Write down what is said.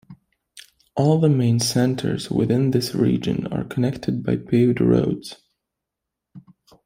All the main centres within this region are connected by paved roads.